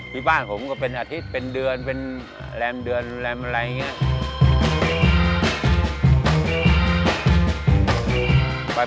ที่บ้านผมก็เป็นอาทิตย์เป็นเดือนเป็นแรมเดือนแรมอะไรอย่างนี้